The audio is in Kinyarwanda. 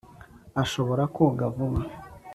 ashobora koga vuba